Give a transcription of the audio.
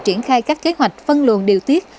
triển khai các kế hoạch phân luận điều tiết